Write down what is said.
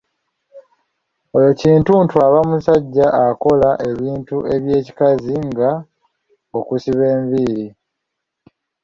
Oyo kintuntu aba musajja akola ebintu ebyekikazi nga okusiba enviiri.